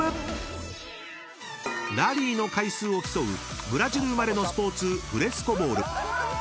［ラリーの回数を競うブラジル生まれのスポーツフレスコボール］